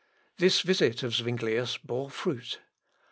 This visit of Zuinglius bore fruit.